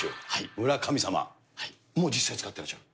村神様。も実際、使ってらっしゃる？